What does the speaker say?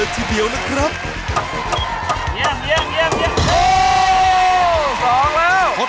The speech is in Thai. โอ้สองแล้ว